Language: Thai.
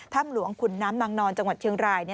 ถ้ำหลวงขุนน้ำนางนอนจังหวัดเชียงราย